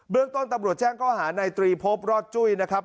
เรื่องต้นตำรวจแจ้งข้อหาในตรีพบรอดจุ้ยนะครับ